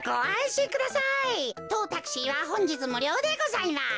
とうタクシーはほんじつむりょうでございます。